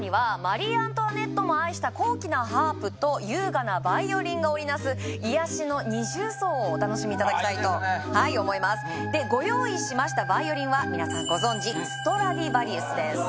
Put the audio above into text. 皆様には高貴なハープと優雅なバイオリンが織りなす癒やしの二重奏をお楽しみ頂きたいと思いますでご用意しましたバイオリンは皆さんご存じストラディヴァリウスです